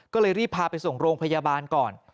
ก็เลยรีบพาไปส่งโรงพยาบาลก่อน